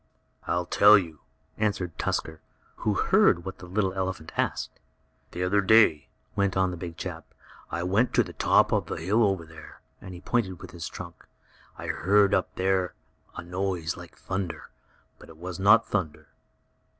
"I'll tell you," answered Tusker, who heard what the little elephant asked. "The other day," went on the big chap, "I went to the top of the hill over there," and he pointed with his trunk. "I heard up there a noise like thunder, but it was not thunder."